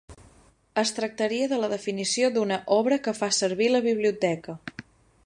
Es tractaria de la definició d'una "obra que fa servir la Biblioteca".